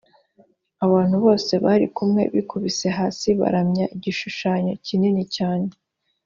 abantu bose bari kumwe bikubise hasi baramya igishushanyo kinini cyane